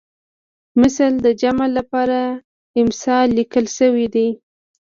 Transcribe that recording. مثل د جمع لپاره امثال لیکل شوی دی